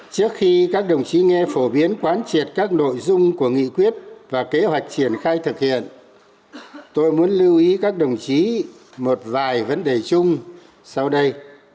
trước khi các đồng chí nghe phổ biến quán triệt các nội dung của nghị quyết và kế hoạch triển khai thực hiện tôi muốn lưu ý các đồng chí một vài vấn đề chung sau đây